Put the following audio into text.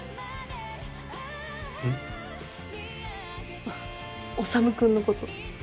ん？あっ修君のこと。